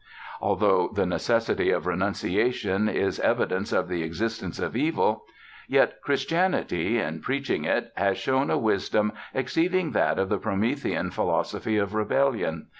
Although the necessity of renunciation is evidence of the existence of evil, yet Christianity, in preaching it, has shown a wisdom exceeding that of the Promethean philosophy of rebellion.